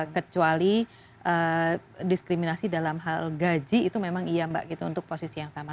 kecuali diskriminasi dalam hal gaji itu memang iya mbak gitu untuk posisi yang sama